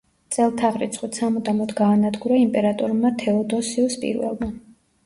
წელთაღრიცხვით, სამუდამოდ გაანადგურა იმპერატორმა თეოდოსიუს პირველმა.